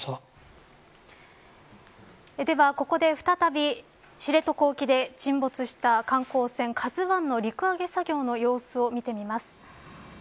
では、ここで再び知床沖で沈没した観光船ＫＡＺＵ１の陸揚げ作業の様子を見てみます。